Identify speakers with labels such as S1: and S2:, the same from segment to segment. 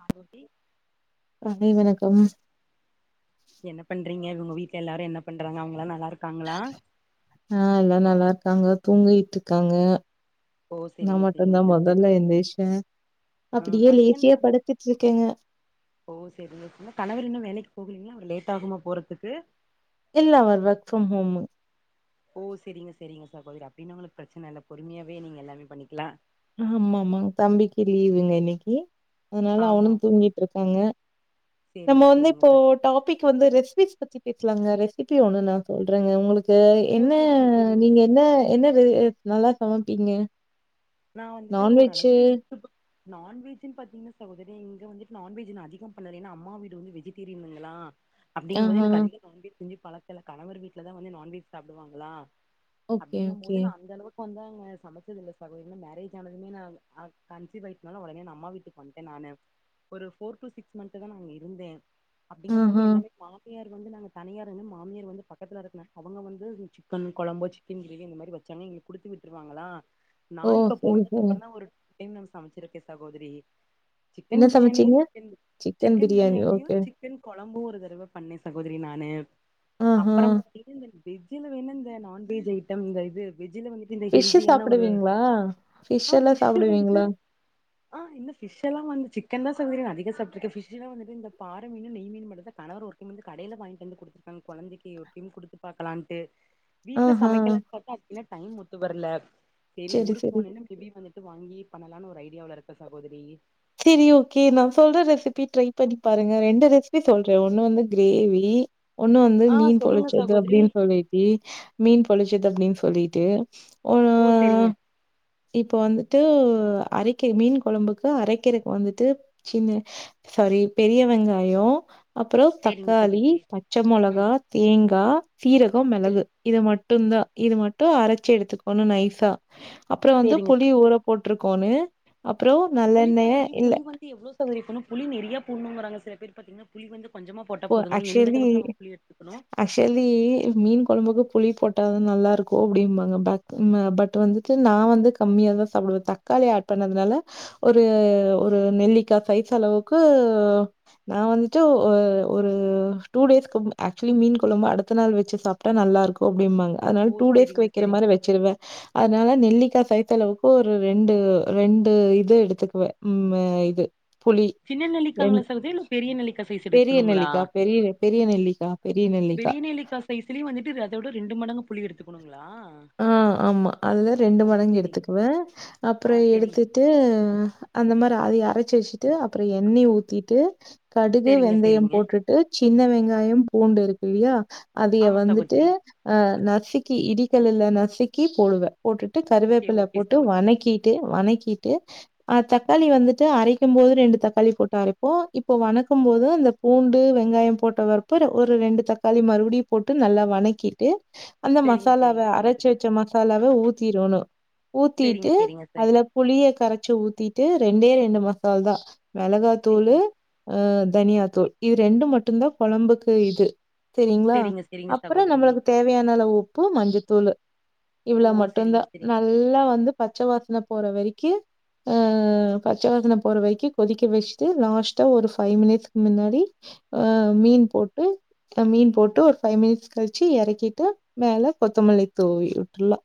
S1: காலோட்டி
S2: மதிய வணக்கம்
S1: நீங்க என்ன பண்றீங்க உங்க வீட்டுல எல்லாரு என்ன பண்றாங்க அவங்களா நல்லா இருக்காங்களா
S2: அ எல்லா நல்லா இருக்காங்க தூங்கிட்டு இருக்காங்க
S1: ஓ
S2: நா
S1: செரிங்க செரிங்க
S2: மட்டும்தா
S1: சிஸ்டர்
S2: மொதல்ல எந்திரிச்சே
S1: ஆ
S2: அப்டியே
S1: ஹஸ்பண்டு
S2: லேசியா படுத்துட்டு இருக்கே
S1: ஓ சேரி என்ன கணவர் இன்னு வேலைக்கு போகலீங்களா அவர் லேட் ஆகுமா போறதுக்கு
S2: இல்ல அவர் வொர்க் ஃப்ரம் ஹோமு
S1: ஓ சேரிங்க சேரிங்க சகோதரி அப்டின்னா உங்களுக்கு பிரச்சன இல்ல பொறுமையாவே நீங்க எல்லாமே பண்ணிக்கலா
S2: ஆமா ஆமா தம்பிக்கு லீவுங்க இன்னைக்கு அதனால அவனு
S1: ஆமா
S2: தூங்கிட்டு இருக்காங்க நம்ம
S1: செரிங்க
S2: வந்து
S1: செரிங்க
S2: இப்போ
S1: ச
S2: டாபிக் வந்து ரெசிபிஸ் பத்தி பேசலாங்க ரெசிபி ஒன்னு நா சொல்றேங்க உங்களுக் தா
S1: ஓ
S2: என்ன
S1: செரிங்க செரிங்க
S2: நீங்க என்ன என்ன இது நல்லா சமைப்பீங்க
S1: நா வந்துட்டு
S2: நான்வெஜ்ஜு
S1: ஓரளவுக்கு யூடுயூப்பு நான்வெஜ்னு பாத்தீங்கன்னா சகோதரி இங்க வந்துட்டு நான்வெஜ் நான் அதிகம் பண்ணதில்ல ஏன்னா அம்மா வீடு வந்துட்டு வெஜிடேரியனுங்களா அப்படிங்கும் போது
S2: ஆஹா
S1: எனக்கு அதிகோ நான்வெஜ் செஞ்சி பழக்கோ இல்ல கணவர் வீட்டுலதா வந்து நண்வெஜ் சாப்புடுவாங்களா
S2: ஓகே
S1: அப்படிங்கு
S2: ஓகே
S1: போது நான் அந்த அளவுக்கு வந்து அங்க சமைச்சது இல்ல சகோ போ இன்னு மேரேஜ் ஆனதுமே நான் அ கன்சிவ் ஆயிட்டனால உடனே நான் அம்மா வீட்டுக்கு வன்டே நானு ஒரு ஃபோர் டு சிக்ஸ் மந்த் தான் நா அங்க இருந்தே அப்டிங்கும் போது
S2: ஆஹா
S1: எல்லாமே மாமியார் நாங்க வந்து நாங்க தனியாருங்க மாமியர் வந்து பக்கத்துல இருக்கனால அவுங்க வந்து சிக்கன் கொழம்பு சிக்கன் கிரேவி இந்த மாரி வச்சாங்னா எங்ளுக் குடுத்து விட்டுருவாங்களா நா
S2: ஓ
S1: இப்ப
S2: சரி சரி
S1: போனதுக்கப்புறம் தா ஒரு [inaudible] சமைச்சிருக்கேன் சகோதரி சிக்கன்
S2: என்ன
S1: பிரியாணி
S2: சமைச்சீங்க
S1: சிக்கன்
S2: பிரியாணி
S1: பிரியாணியு
S2: ஓகே
S1: சிக்கன் கொழ கொழம்பு ஒரு தறவ பண்ணே சகோதரி நானு
S2: ஆஹா
S1: அப்புறம் பாத்தீன்னா இந்த வெஜ்ல வேணா இந்த நான்வெஜ் ஐட்டம் இந்த இது வெஜ்ல வந்துட்டு இந்த ஹெல்தியான ஒரு
S2: ஆ பிஷ்
S1: ஆ
S2: எல்லா
S1: ஃபிஷ் வந்து
S2: சாப்புடுவீங்களா
S1: ஆ இந்த பிஷ் எல்லா வந்து சிக்கன் தான் சகோதரி அதிகோ சாப்பிட்டுருக்க பிஷ் எல்லா வந்துட்டு இந்த பாற மீனு நெய் மீன் மட்டுதா கணவர் ஒரு டைம் வந்து கடையில வாங்கிட்டு வந்து குடுத்துருக்காங்க கொழந்தைக்கு ஒரு டைம் குடுத்து பாக்கலா இன்டு வீட்ல
S2: ஆஹா.
S1: சமைக்கலான் பாத்தா அதுக்கு இன்னு டைம் ஒத்து வரல சேரி
S2: சரி,
S1: ஊருக்கு
S2: சரி.
S1: போனேனா மேபி வந்து ட்டு வாங்கி பண்ணலாம்னு ஒரு ஐடியாவுல இருக்கே சகோதரி
S2: சேரி ஓகே நான் சொல்ற ரெசிபி ட்ரை பண்ணி பாருங்க ரெண்டு ரெசிபி சொல்றே ஒன்னு வந்து கிரேவி ஒன்னு வந்து
S1: ஆ
S2: மீன்
S1: சொல்லுங்க
S2: பொழிச்சது
S1: சகோதரி
S2: அப்டின்னு சொல்லிட்டு மீன் பொழிச்சது அப்டின்னு சொல்லிட்டு
S1: ஓ சேரிங்க
S2: தோ அரைக்க மீன் குழம்புக்கு அரை அரைக்கறகு வந்துட்டு சின்ன சாரி பெரிய வெங்காயோ அப்றோ
S1: செரிங்க
S2: தக்காளி
S1: சகோதரி
S2: பச்ச
S1: ஆ
S2: மொளகா தேங்கா சீரகோ
S1: செரி
S2: மெளகு இத மட்டு தா தா இது மட்டும் அரைச் ச்சி எடுத்துக்கனு நைசா அப்பறோ வந்து
S1: செரிங்க
S2: புளி ஊற போட்ருக்கோணு அப்பறோ நல்
S1: புளி சகோதரி புளி வந்து எவ்ளோ சகோதரி போட்னோ புளி நெறையா போட்னுங்குறங்கா சில பேர் பாத்தீங்கன்னா புளி வந்து கொஞ்சமா போட்டா
S2: போ
S1: போதுங்கறீங்க எந்த
S2: ஆக்சுவலி
S1: அளவுக்கு நம்ம புளி எடுத்துக்கணு
S2: ஆக்சுவலி மீன் கொழம்புக்கு புளி போட்டாதா நல்லா இருக்கு அப்டிபாங்க பேக் ம் பட் வந்துட்டு நான் வந்து கம்மியாதா சாப்பிடுவே தக்கா காளி ஆட் பண்ணதுனால ஒரு ஒரு நெல்லிக்கா சைஸ் அளவுக்கு நா வந்துட்டு ஒ ஒரு டூ டேஸ்கு ஆக்சுலி மீன் கொழம்பு அடுத்த நாள் வெச்சு சாப்டா நல்லாருக்கு அப்டிம்பாங்க அதனால
S1: ஓ
S2: டூ டேஸ்கு
S1: செரிங்க
S2: வெக்கிற
S1: செரி
S2: மாரி வெச்சிருவே அதன அதனால நெல்லிக்கா சைஸ் அளவுக்கு ஒரு ரெண்டு ரெண்டு இது எடுத்துக்குவே ம் ம இது புளி
S1: சின்ன
S2: ரெண்
S1: நெல்லிக்காங்களா சகோதரி இல்ல பெரிய நெல்லிக்கா சைஸ்சு
S2: பெரிய
S1: எடுத்துணுங்களா
S2: நெல்லிக்கா
S1: அ
S2: பெரிய பெரிய நெல்லிக்கா பெரிய நெல்லிக்கா
S1: பெரியநெல்லிக்கா சைஸ்லையு வந்துட்டு அத விட ரெண்டு மடங்கு புளி எடுத்து
S2: ஆ ஆமா அதுத ரெண்டு
S1: ஓ
S2: மடங்கு
S1: செரி
S2: எடுத்துக்குவே
S1: ஆ
S2: அப்புறோ
S1: செரிங்
S2: எடுத்துட்டு அ அந்த மாரி அதைய அரைச்சு வச்சிட்டு அப்புறோ எண்ணெய ஊத்திட்டு கடுகு
S1: செரிங்க
S2: வெந்தயம்
S1: செரிங்க
S2: போட்டுட்டு சின்ன வெங்காயம் பூண்டு இருக்கு இல்லையா அதைய
S1: ஆமா
S2: வந்துட்டு
S1: சகோதரி
S2: அ நசக்கு இடி இடி கல்லுல நசுக்கி போடுவே போட்டுட்டு
S1: ஓகே
S2: கருவேப்பில
S1: ஓகே
S2: போட்டு
S1: சகோதரி
S2: வனக்கிட்டு வனக்கிட்டு அ தக்காளி வந்துட்டு அரைக்கும் போது ரெண்டு தக்காளி போட்டு அரைப்போ இப்போ வனக்கும் போது அந்த பூண்டு வெங்காயம் போட்டவறுப்பற ஒரு ரெண்டு தக்காளி மறுபடியும் போட்டு நல்லா வனக்கிட்டு அந்த மசா
S1: செரிங்க
S2: லாவ
S1: செரிங்க
S2: அரச்சி
S1: சகோதரி
S2: வச்ச மசாலாவ ஊத்திரோணு
S1: செரிங்க
S2: ஊத்தீட்டு
S1: செரிங்க ச
S2: அதுல புளிய கரச்சி ஊத்தீட்டு ரெண்டே ரெண்டு மசால் தா மெளகாத்தூளு
S1: செரிங்க
S2: தனியா தூள் இது ரெண்டு மட்டுந்தா கொழம்புக்கு இது செரிங்ளா
S1: செரிங்க செரிங்க
S2: அப்றோ
S1: சகோதரி
S2: நம்மளுக்கு தேவையானளவு உப்பு மஞ்சத்தூளு இவ்ள
S1: ஓ
S2: மட்டுந்தா
S1: செரிங்க செரிங்க
S2: நல்லா வந்து பச்ச வாசன போற வரைக்கி ஆ பச்சவாசன போற வெறக்கி கொதிக்க வச்ட்டு லாஸ்ட்டா ஒரு ஃபைவ் மினிட்ஸ்க்கு மின்னாடி அ மீன் போட்டு் அ மீன் போட்டு ஒரு ஃபைவ் மினிட்ஸ் கழிச்சி எறக்கிட்டு மேல கொத்தமல்லி தூவி வுட்ருலா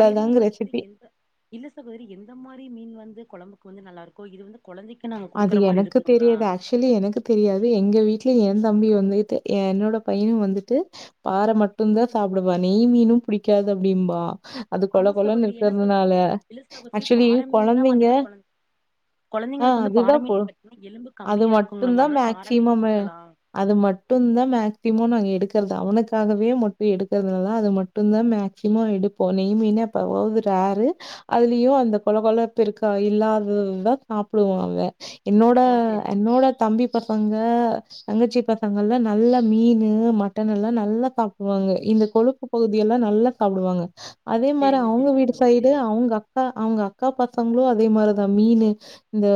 S1: செரிங்க சகோதரி எந்த இல்ல சகோதரி எந்த மாரி மீன் வந்து கொழம்புக்கு வந்து நல்லா இருக்கூ இது வந்து கொழந்தைக்கு நாங்க
S2: அது
S1: குடுக்குற மாரி
S2: எனக்கு
S1: இருக்குங்களா
S2: தெரியாது ஆக்சுலி எனக்கு தெரியாது எங்க வீட்ல எ என் தம்பி வந்துட்டு என்னோட பையனு வந்துட்டு பாற மட்டுந்தா சாப்டுவா நெய் மீனும் புடிக்கா காது அப்டிம்பா அது கொழ
S1: ஆமா
S2: கொழன்னு
S1: சகோதரி என்ன
S2: இருக்கிறதுனால
S1: சகோதரி இல்ல சகோதரி
S2: ஆக்சொலி
S1: பாற மீன் தா
S2: கொழந்தைங்க
S1: வந்துட்டு கொழ
S2: ஆ
S1: கொழந்தைங்களுக்கு வந்து பாற
S2: அதுதான் போ
S1: மீன் பாத்தீங்கன்னா எலும்பு
S2: அது
S1: கம்மியா
S2: மட்டும்
S1: இருக்குங்ளாமா
S2: தான்
S1: அதனால பாற மீன்
S2: மேக்ஸிமம்
S1: குடுக்கலாம்
S2: அது மட்டுந்தா மேக்டிமோ நாங்க எடுக்க கறது அவனுக்காகவே மட்டு எடுக்கிறதுனால அது மட்டுந்தா மேக்ஸிமோ எடுப்போ நெய் மீனு அப்பறோவாவ்து பாரு அதுலயு அந்த கொல கொலப் பிருக்கா இல்லாததா சாப்பிடுவோ நாங்க என்னோட
S1: ஓ செரி
S2: என்னோட தம்பி பசங்க தங்கச்சி பசங்கள்லா நல்லா மீனு மட்டனல்லா நல்லா சாப்டுவாங்க இந்த கொழுப்பு பகுதி எல்லா லா நல்லா சாப்டுவாங்க அதே மாரி
S1: செரிங்க
S2: அவுங்க
S1: செரிங்க
S2: வீடு
S1: சகோதரி
S2: சைடு அவுங்க அக்கா அவுங்க அக்கா பசங்களு அதே மாரி தா இந்த மீனு இந்த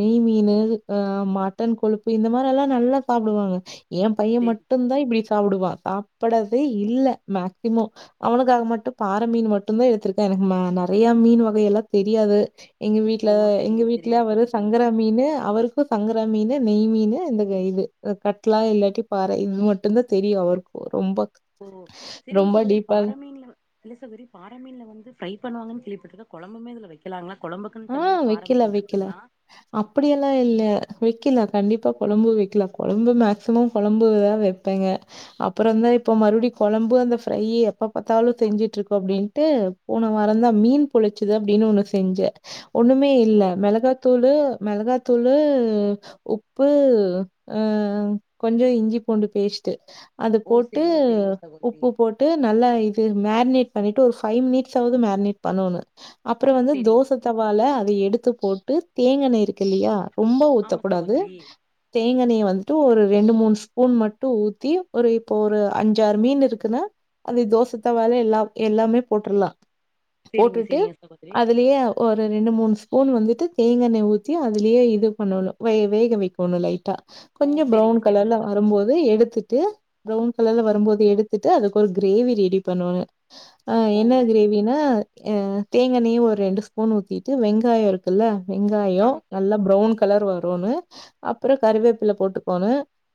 S2: நெய்மீனு அ மட்டன் கொழுப்பு இந்த மாரி எல்லா நல்லா சாப்டுவாங்க ஏன் பையன்
S1: செரி
S2: மட்டுந்தா இப்டி சாப்டுவா பா படது இல்ல மேக்சிமொ அவனுக்காக மட்டு பாற மீன் மட்டுந்தா எடுத்திருக்க எனக்கு நறைய மீன் வகையெல்லா தெரியாது எங்க வீட்ல
S1: ஓ
S2: எங்க
S1: செரிங்க
S2: வீட்ல
S1: செரிங்க
S2: அவரு
S1: சகோதரி
S2: சங்கரா மீனு அவருக்கூ சங்கரா மீனு நெய் மீனு இந்த இது கட்லா இல்லாட்டி பாற இது மட்டுந்தா தெரியு அவருக்கூ ரொம்ப
S1: ஓ செரிங்க
S2: ரொம்ப
S1: சகோதரி
S2: டீப்பா
S1: பாறமீன்ல இல்ல சகோதரி பாறமீன்ல வந்து ஃப்ரை பண்ணுவாங்கன்னு கே பட்ருக்க கொழம்புமே இதுல வைக்கலாங்ளா
S2: ஆ வெக்கலா வெக்கலா அப்டியெல்லா இல்ல வெக்கிலா கண்டிப்பா கொழம்பு வெக்லா கொழம்பு மேக்சிமம் கொழம்புதா வெப்பேங்க அப்பறோ தா இப்ப மறுபடி கொழம்பு அந்த ஃப்ரை எப்ப பார்த்தாலு செஞ்சுட்ருக்கோ அப்டின்ட்டு போன வாரந்தா மீன் பொழிச்சது அப்டின் இன்னொன்னு செஞ்ச ஒண்ணுமே இல்ல
S1: ஓ
S2: மெளகாத்தூளு மெளகாத்தூளு உப்பு அ கொஞ்ச இஞ்சி பூண்டு பேஸ்ட் டு அது
S1: ஓ
S2: போட்டு
S1: செரிங்க செரிங்க சகோதரி
S2: உப்பு போட்டு நல்லா இது மேர்னேட் பண்ணிட்டு ஒரு ஃபைவ் மினிட்ஸ் ஆவுது மேர்னேட் பண்ணனு அப்புறம் வந்து
S1: செரிங்க
S2: தோச தா அதை எடுத்து போட்டு தேங்காண்ண இருக்கு இல்லியா ரொம்ப
S1: ஆமா
S2: ஊத்தக்கூடாது
S1: சகோதரி
S2: தேங்காணய வந்து டு ஒரு ரெண்டு மூண் ஸ்பூன் மட்டு ஊத்தி ஒரு இப்போ ஒரு அஞ்சாறு மீன் இருக்குன்னா அந்த தோச தவாலயே எல்லா எல்லாமே போட்ருலா
S1: சேரிங்க
S2: போட்டுட்டு
S1: சேரிங்க சகோதரி
S2: அதுலயே ரெண்டு மூணு ஸ்பூன் வந்துட்டு தேங்காண்ணய ஊத்தி அதுலயே இது பண்ணணு வே வேக வைக்கோணு லைட்டா
S1: ஓ
S2: கொஞ்சோ
S1: சேரிங்க
S2: ப்ரௌன்
S1: சேரிங்க
S2: கலர்ல
S1: சகோதரி
S2: வரம்போது எடுத்துட்டு ப்ரெளவுன் கலர்ல வரம்போது எடுத்துட்டு அதுக்கு ஒரு கிரேவி ரெடி பண்ணனு ஆ
S1: ஓ
S2: என்ன கிரேவினா அ தேங்காண்ணயையு ஒரு ரெண்டு ஸ் பூண் ஊத்திட்டு வெங்காயோ இருக்குல்ல வெங்காயோ
S1: ஆமா ச
S2: நல்லா ப்ரெளவுன் கலர் வருனு அப்பறொ கறிவேப்பில போட்டுக்கோனு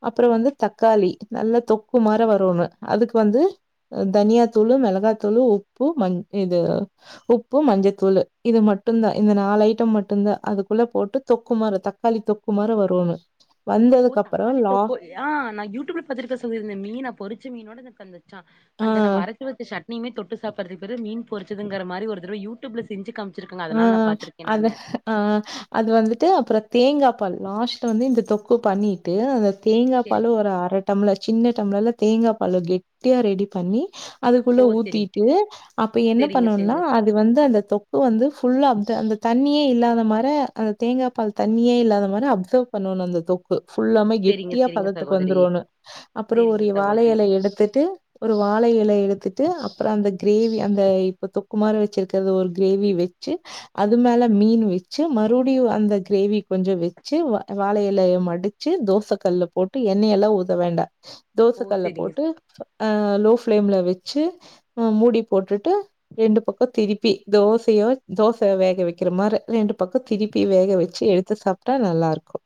S2: அப்பறொ வந்து தக்காளி நல்லா தொக் கு மார வரோனு அதுக்கு வந்து தனியா தூளு மெளகாத்தூளு உப்பு மஞ் இது உப்பு மஞ்சத்தூளு இது மட்டுந்தா இந்த நாலு ஐட்டம் மட்டுந்தா அதுக்குள்ள போட்டு தொக்கு மார தக்காளி தொக்கு மார வரோனு
S1: ஓ தக்காளி தொக்கோ ஆ நா யூடூப்ல பாத்ருக்க ஸொ இந்த மீன பொறிச்ச மீனோட எனக் அந்த ச அந்த
S2: ஆ.
S1: நம்ப அரச்சி வெச்ச ச ட்னியிமே தொட்டு சாப்பற்துக் பதில் மீன் பொருச்சதுங்கற மாரி ஒரு தரவ யூடியூப்ல செஞ்சு காம்
S2: ஆ ஆ அது ஆ ஆ அது வந்துட்டு அப்றோ தேங்காப்பாலு லாஸ்ட்ல வந்து இந்த தொக் க்கு பண்ணிட்டு அந்த
S1: சேரி
S2: தேங்காப்பால ஒரு அர டம்ளர் சின்ன டம்ளர்ல தேங்காப்பால கெட்டியா ரெடி பண்ணி
S1: ஓ
S2: அதுக்குள்ள
S1: சேரி
S2: ஊத்திட்டு அப்போ என்ன
S1: சேரிங்க
S2: பண்ணோன்னா
S1: சேரிங்க
S2: அது வந்து அந்த தொக்க வந்து ஃபுல்லா அப்த அந்த தண்ணியே இல்லாத மார அத தேங்காப்பால் தண்ணியே இல்லாத மார அப்சவ் பண்ணோணு அந்த தொக்கு ஃபுல்லாம
S1: சேரிங்க
S2: கெட்டியா
S1: சேரிங்க
S2: பதத்துக்கு
S1: சகோதரி
S2: வந்துரோனு அப்பறோ ஒரு
S1: சேரிங்க
S2: எ வாழ
S1: சகோதரி
S2: எல எடுத்துட்டு ஒரு வாழ இலை எடுத்துட்டு அப்றொ அந்த க்ரேவி அந்த இப்ப தொக்கு மார வெச்சிருக்கறது ஒரு க்ரேவி வெச் சி அது மேல மீன் வெச்சு மறுப்டியு அந்த க்ரேவி கொஞ்சொ வெச்சி வ வாழ எலயப் மடிச்சு தோச கல்ல போட்டு எண்ணெயெல்லா ஊத்த வேண்டா
S1: ஓ
S2: தோசக்கல்லப்
S1: சேரிங்க
S2: போட்டு ஆ லோ ஃப் ஃப்ளேம்ல வெச்சு அ மூடி போட்டுட்டு ரெண்டு பக்கொ திருப்பி தோசையோ தோச வேக வெக்கிற மார ரெண்டு பக்கோ திருப்பி வேக வெச்சி எடுத்து சாப்ட்டா நல்லா இருக்கு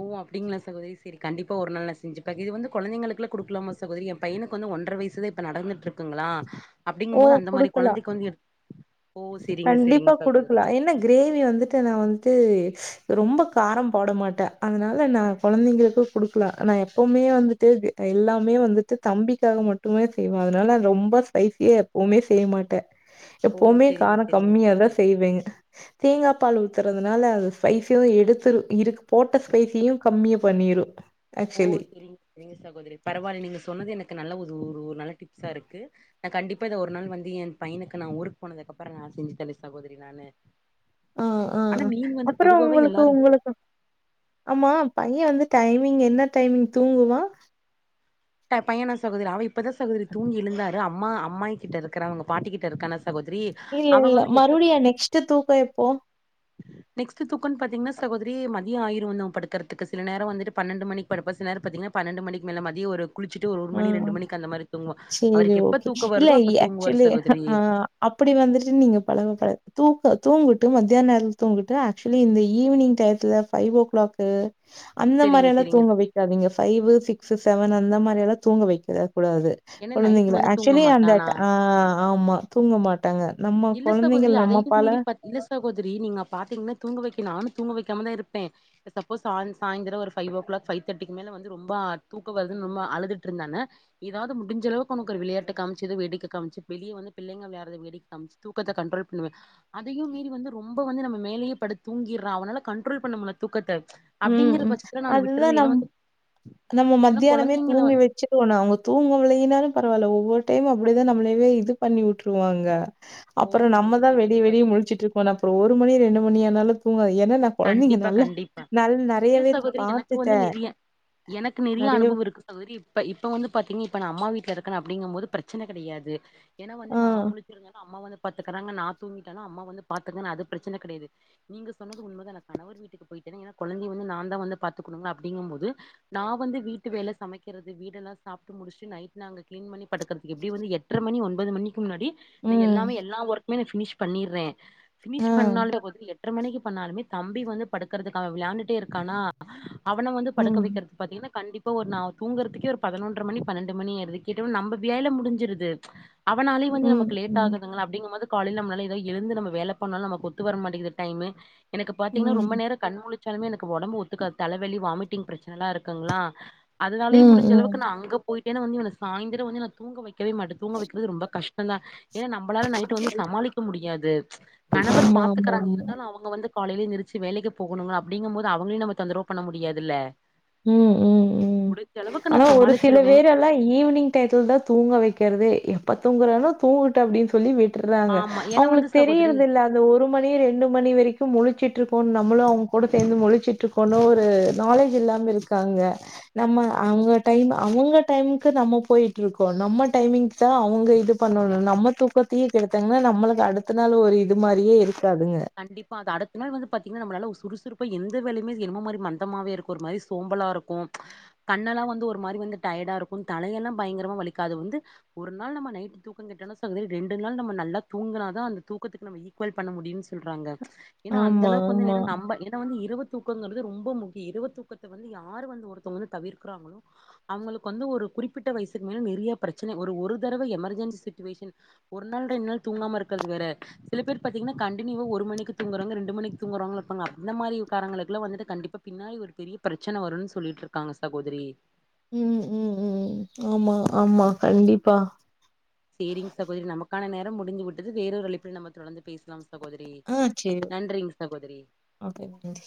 S1: ஓ அப்டிங்ளா சகோதரி சேரி கண்டிப்பா ஒரு நாள் நா செஞ்சிப் பாக்க இது வந்து கொழந்தைங்களுக்குலா குடுக்லாமா சகோதரி ஏம் பையனுக்கு வந்து ஒன்ற வைசுதா இப்ப நடந்துட்ருக்குங்களா
S2: ஓ
S1: அப்டிங்கம் போது அந்த மாரி
S2: குடுக்கலா
S1: கொழந்தைக்கு வந்து எ
S2: கண்டிப்பா குடுக்லா என்ன க்ரேவி வந்துட்டு நா வந்ட்டு ரொம்ப காரம் போட மாட்ட அதனால நா கொழந்தைங்களுக்கு குடுக்லா நா எப்பவ்மே வந்துட்டு எல்லாமே வந்துட்டு தம்பிக்காக மட்டுமே செய்வ அதுனால ரொம்ப ஸ்பைசிய எப்பவுமே செய்ய மாட்ட
S1: ஓ
S2: எப்பவ்மே
S1: செரிங்க
S2: காரொ
S1: செரிங்க
S2: கம்மியாதா
S1: சகோதரி
S2: செய்வேங் தேங்காப்பால் ஊத்தறதுனால அது ஸ்பைசியொ எடுத்துரு இருக் போட்ட ஸ்பைசியு கம்மிய பண்ணிரு
S1: ஓ செரிங்க செரிங்க சகோதரி பரவால் நீங்க சொன்னது எனக்கு நல்ல ஒரு ஒரு ஒரு ந ல்ல டிப்ஸா இருக்கு நா கண்டிப்பா இத ஒரு நாள் வந்து என் பைனுக்கு நா ஊருக்கு போனதுக்கப்பறொ நா செஞ்சுத் தர சகோதரி நானு
S2: ஆ ஆ
S1: ஆனா மீன் வந்து
S2: அப்பறோ
S1: பொதுவாவே
S2: உங்களுக்கு
S1: எல்லாரு
S2: உங்களுக்கு ஆமா பைய வந்து டைமிங் என்ன டைமிங் தூங்குவா
S1: ட பையனா சகோதரி அவ இப்பதா சகோதரி தூங்கி எழுந்தாரு அம்மா அம்மாயி கிட்ட இருக்குறா அவுங்க பாட்டிக்கிட்ட இருக்கா நா
S2: இல்ல இல்ல மறுவ்டியு நெக்ஸ்ட்டு தூக்கொ எப்போ
S1: நெக்ஸ்ட்டு தூக்கோன் பாத்தீங்னா சகோதரி மதியோ ஆயிரு அவ படுக்கறத்துக்கு சில நேரொ வந்துட்டு பன்னெண்டு மணிக் படுப்பாரு சில் நேரொ பாத்தீங்னா பன்னெண்டு மணிக்கு மேல மதியொ ஒரு குளிச்சிட்டு ஒரு ஒரு
S2: ஆ
S1: மணி ரெண்டு மணிக்கு அந்த மாரி தூங்குவா
S2: சரி
S1: அவருக்கு எப்பத்
S2: ஓகே.
S1: தூக்கொ வருதோ அப்ப தூங்குவாரு சகோதரி
S2: அப்டி வந்துட்டு நீங்க பழக பழ தூக்க தூங்குட்டு மத்தியான் நேரல் தூங்குட்டு ஆக்ஷுலி இந்த ஈவினிங் டயத்துலதா ஃபைவ் ஓ க்ளாக்கு அந்த மாரி
S1: செரிங்க
S2: எல்லா
S1: செரிங்க
S2: தூங்க வைக்காதிங்க ஃபைவு சிக்ஸு செவனு அந்த மாரியெல்லா தூங்க வைக்க கூடாது
S1: ஏன்னா நைட்
S2: குழந்தைங்களா
S1: வந்து தூங்க
S2: ஆக்ஷுலி அந்த
S1: மாட்டானா
S2: ட ஆ ஆமா தூங்க மாட்
S1: இல்ல சகோதரி அதையும் மீறி பாத் இல்ல சகோதரி நீங்க பாத்தீங்னா தூங்க வெக்க நானு தூங்க வெக்காமதா இருப்பே சப்போஸ் சாய்ந் சாய்ந்தரோ ஒரு ஃபைவ் ஓ க்ளாக் ஃபைவ் தெட்டிக்கு மேல வந்து ரொம்பா தூக்கொ வர்து ரொம்ப அழுதுட்டு இருந்தான்ன ஏதாவ்து முடிஞ்சளவுக்கு அவனுக்கு ஒரு விளையாட்டு காம்ச்சிது வேடிக்க காம்ச்சி வெளிய வந்து பிள்ளைங்க ளையாட்றது வேடிக் காம்ச்சி தூக்கத்த கண்ட்ரோல் பண்ணுவே அதையும் மீறி வந்து ரொம்போ வந்து நம்ம மேலையே படுத் தூங்கிர்றா அவனால கண்ட்ரோல் பண் ண முல்ல தூக்கத்த
S2: ம்
S1: அப்படிங்கிற
S2: ம்
S1: பட்சத்துல நான்
S2: அதுதா
S1: விட்டுறது ஏன்னா
S2: நம்
S1: வந்து
S2: நம்ம
S1: ஏன்னா
S2: மத்தியானமே
S1: குழந்தைங்கள
S2: தூங்க வெச்சிட்வோ நா அவ்ங்க தூங்க விட்லைன்னாலு பரவால்ல ஒவ்வொர் டைமு அப்டிதா நம்மளயவே இது பண்ணி உட்ருவாங்க
S1: ஓ
S2: அப்பறொ நம்ம
S1: சரிங்க
S2: தா
S1: சரிங்க
S2: வெடிய வெடிய
S1: சகோதரி
S2: முழ்ச்சிட்ருக்கனு அப்றொ ஒரு மணி ரெண்டு மணியே ஆனாலு தூங்காது ஏன்னா நா கொழந்தீங்க
S1: கண்டிப்பா
S2: நல்ல
S1: கண்டிப்பா இல்ல சகோதரி எனக்கு வந்து நெறைய எனக்கு நெறைய அனுபவோயிருக்கு இப்ப இப்ப வந்து பாத்தீங்க இப்ப நா அம்மா வீட் ல இருக்கனு அப்டிங்க போது பிரச்சனை கெடையாது ஏனா வந்து
S2: ஆ,
S1: நா முழச்சிருந்தன்னா அம்மா வந்து பாத்துக்கறாங்க நா தூங்கிட்டான அம்மா வந்து பாத்துக்கனு அது பிரச்சன கெடையாது நீங்க சொன்ன உண்மதானே கணவர் வீட்டுக்கு போயிட்டே ஏனா கொழந்தையே வந்து நா தா வந்து பாத்துக்குனுங்களா அப்டிங்க போது நா வந்து வீட்ட விட் வேலே சமைக்கிறது வீடுடெல்லா சாப்பிட்டு முடிச்சு நைட் நாங்க கிளீன் பண்ணி படுக்கறது எப்டியு வந்து எட்டுரை மணி ஒன்பது மணி முன்னாடி
S2: ம்,
S1: எல்லாமே எல்லா ஒர்கமே ஃபினிஷ் பண்ணிர்றே
S2: ஆ,
S1: ஃபினிஷ் பண்ணால போது எட்ரே மணிக்கு பண்ணாலுமே தம்பி வந்து படுக்குறதுக்கு அவே வெளாண்டுட்டே இருக்கானா அவன வந்து படுக்க
S2: ம்,
S1: வெக்கறது பாத்தீங்கன்னா கண்டிப் இப்ப ஒரு நா தூங்கறதுக்கே ஒரு பதினொன்ரே மணி பன்னெண்டு மணி ஆயிருது கேட்ட நம்ப வேல முடிஞ்சிருது அவனாலையு வந்து
S2: ம்,
S1: நமக்கு
S2: ம்,
S1: லேட்குதுங்க அப்படிங்கும்போது காலைலே நம்ப நல்ல இத எழுந்து நம்ம வேலை பண்ணாலு நமக்கு ஒத்து வர மாட்டிங்குது டைம்மு எனக்குபாத்தீங்க ரொம்ப
S2: ம்,
S1: நேர கண் முழுச் சாலுமே எனக்கு ஒடம்பு ஒத்துக்காது தலைவலி வாமிட்டிங் பிரச்சனல்லா இருக்குங்களா அதனாலயே
S2: ம்,
S1: முடிஞ்சளவுக்கு
S2: ம்.
S1: நா அங்க போயிட்டு ஏன்னா வந்து இவனே சாயிந்தரோ வந்து நா தூங்க வெக்கவே மாட்டே தூங்க வெக்கிறது ரொம்ப கஷ் ஏன்னா நம்மளால நைட் வந்து சமாளிக்க முடியாது கணவர்
S2: ஆமா, ஆமா,
S1: பாத்துக்கறாங்க
S2: ஆமா.
S1: இருந்தாலு அவங்க வந்து காலையிலே எந்திரிச்சு வேலைக்கு போகணுங்க அப்புடிங்க போது அவங்களையு நம்ப தொந்தரவு பண்ண முடியாதுல்லே
S2: ம் ம் ம்
S1: நா
S2: ஆனா ஒரு சில
S1: சமாளிச்சிருவே
S2: பேர் எல்லா ஈவினிங் டைத்துல தா தூங்க வெக்கறதே எப்ப தூங்குறாங்க தூங்கட்டு அப்டின்னு சொல்லி விட்டு ட்றாங்க
S1: ஆமா ஏன்னா வந்து
S2: அவங்களுக்கு
S1: சகோதரி
S2: தெரியறது இல்லே அந்த ஒரு மணி ரெண்டு மணி வரைக்கு முழச்சுட்டு இருக் நம்மளு அவங்க கூட சேர்ந்து முழிச்சுட்டு இருக்கணு ஒரு நாலேஜ் இல்லாம இருக்காங்க நம்ம அவங்க டைம் அவங்க டைமுக்கு நம்ம போயிட்டு இருக்கோ நம்ம டைமிங் சா அவங்க இது பண்ணணு நம்ம தூக்கத்தையே கேடுத்தங்கன்னா நம்மளுக்கு அடுத்த நாள் ஒரு இது மாரியே இருக்
S1: கண்டிப்பா அது அடுத்த நாள் வந்து பாத்தீங்கன்னா நம்மளல்ல ஒரு சுறுசுறுப் இப்ப எந்த வேலையுமே என்னமோ மாரி மந்தமாவே இருக்கு ஒரு மாரி சோம்பலா இருக்கு கண்ணெல்லா வந்து ஒரு மாரி வந்து டை டயடா இருக்கு தலையெல்லா பயங்கரமா வலிக்காது வந்து ஒரு நாள் நம்ம நைட் தூக்க கெட்டலு சரி ரெண்டு நாள் நம்ம நல்லா தூங்குனாதா அந்த தூக்கத்துக்கு நம்ம ஈக்குவல் பண்ண முடியும்னு சொல்றாங்க ஏனா அந்த
S2: ஆமா
S1: அளவுக்கு வந்து ஏ
S2: ஆமா
S1: நா நம்ப ஏ நா வந்து இரவு தூக்கங்கறது ரொம்ப முக்கியோ இரவு தூக்கத்தை வந்து யார் வந்து ஒருத்தவங்க வந்து தவிர்க்கிறாங்களோ அவங்களுக்கு வந்து ஒரு குறிப்பிட்ட வயசுக்கு மேல் நெறைய பிரச்சனை ஒரு ஒரு தடவை எமர்ஜென்சி சிச்சுவேஷன் ஒரு நாள் ரெண்டு நாள் தூங்காம இருக்க இருக்கறது வேற சில பேர் பாத்தீங்கன்னா கண் டினுவா ஒரு மணிக்கு தூங்குறங்க ரெண்டு மணி தூங்குறாங்க அந்த மாரி காரங்களுக்குலா வந்துட்டு கண்டிப்ப பின்னாடி ஒரு பெரிய பிரெ ச்சனை வரும்ன்னு சொல்லிட்டு இருக்காங்க சகோதரி
S2: ம் ம் ம் ஆமா ஆமா கண்டிப்பா
S1: சேரிங்க சகோதரி நமக்கான நேர முடிந்து விட்டது வேற ஒரு அழைப்பில் நம்ம தொடர்ந்து பேசலாம் சகோதரி
S2: ஆ சேரி
S1: நன்றிங்க சகோதரி
S2: ஒகே நன்றி